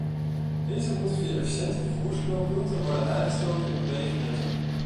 Deze moeten via efficiënte vervoersknooppunten worden aangesloten op wegennetten.